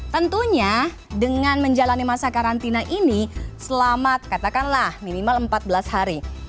tentunya dengan menjalani masa karantina ini selamat katakanlah minimal empat belas hari